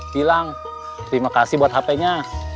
bilang terima kasih buat hp nya